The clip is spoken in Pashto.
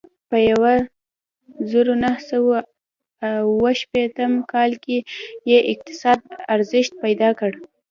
په یوه زرو نهه سوه اوه شپېتم کال کې یې اقتصاد ارزښت پیدا کړ.